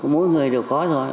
mỗi người đều có rồi